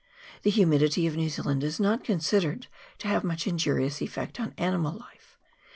The humidity of New Zealand is not considered to have much injurious effect on animal life.